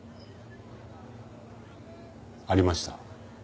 ありました。